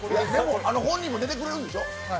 本人も出てくれるんでしょ？